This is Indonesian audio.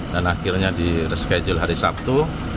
dan akhirnya di reschedule hari sabtu